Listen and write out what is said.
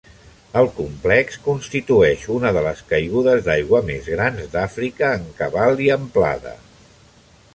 El complex constitueix una de les caigudes d'aigua més grans d'Àfrica, en cabal i amplada.